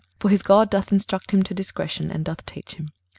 23:028:026 For his God doth instruct him to discretion, and doth teach him.